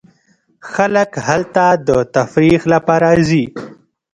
خلک هلته د تفریح لپاره ځي.